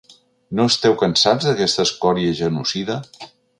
No esteu cansats d’aquesta escòria genocida?